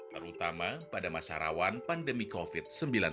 terutama pada masyarawan pandemi covid sembilan belas